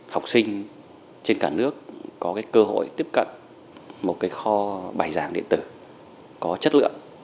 học sinh trên cả nước có cơ hội tiếp cận một kho bài giảng điện tử có chất lượng